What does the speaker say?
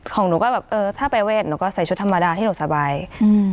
ของหนูก็แบบเออถ้าไปเวทหนูก็ใส่ชุดธรรมดาที่หนูสบายอืม